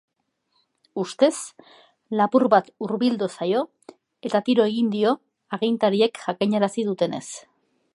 Ustez lapur bat hurbildu zaio eta tiro egin dio, agintariek jakinarazi dutenez.